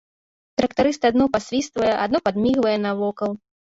Трактарыст адно пасвіствае, адно падміргвае навокал.